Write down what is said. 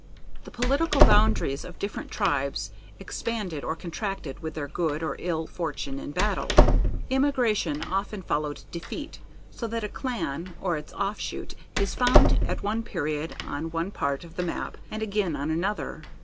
The political boundaries of different tribes expanded or contracted with their good or ill fortune in battle. Immigration often followed defeat, so that a clan, or its offshoot is found at one period on one part of the map and again on another.